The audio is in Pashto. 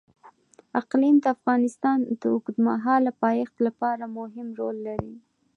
اقلیم د افغانستان د اوږدمهاله پایښت لپاره مهم رول لري.